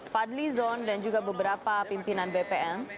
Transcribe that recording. fadli zon dan juga beberapa pimpinan bpn